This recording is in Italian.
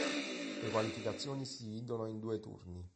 Le qualificazioni si dividono in due turni.